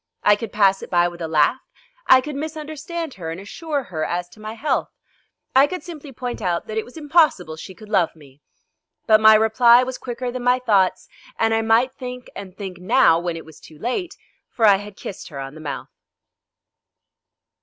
I could pass it by with a laugh, I could misunderstand her and assure her as to my health, I could simply point out that it was impossible she could love me. But my reply was quicker than my thoughts, and I might think and think now when it was too late, for I had kissed her on the mouth.